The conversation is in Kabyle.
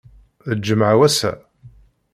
D lǧemɛa wass-a?